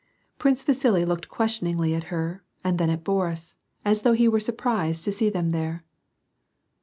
Prince Vasili looked questioningly at her and then at Boris, as though he were surprised to see them there.